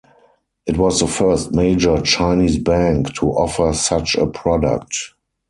It was the first major Chinese bank to offer such a product.